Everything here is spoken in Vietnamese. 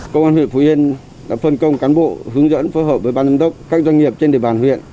công an huyện phú yên đã phân công cán bộ hướng dẫn phối hợp với ban giám đốc các doanh nghiệp trên địa bàn huyện